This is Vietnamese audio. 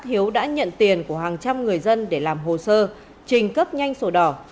hiếu đã nhận tiền của hàng trăm người dân để làm hồ sơ trình cấp nhanh sổ đỏ